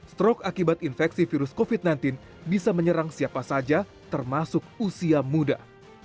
strok akibat infeksi virus covid sembilan belas bisa menyerang siapa saja termasuk usia muda